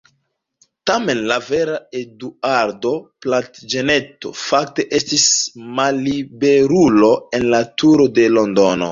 Tamen la vera Eduardo Plantaĝeneto fakte estis malliberulo en la Turo de Londono.